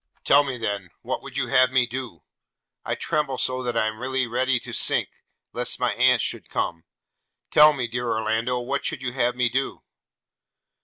'Tell me then, what would you have me do? I tremble so that I am really ready to sink, lest my aunt should come: tell me, dear Orlando, what would you have me do?'